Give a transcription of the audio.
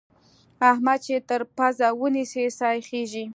احمد چې تر پزه ونيسې؛ سا يې خېږي.